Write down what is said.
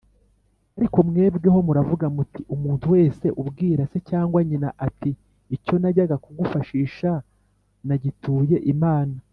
ariko mwebweho muravuga muti, umuntu wese ubwira se cyangwa nyina ati: icyo najyaga kugufashisha nagituye imana